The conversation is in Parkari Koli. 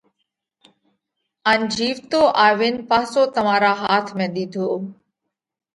ان جيوَتو آوين پاسو تمارا هاٿ ۾ ۮِيڌو۔